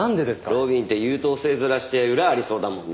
路敏って優等生面して裏ありそうだもんな。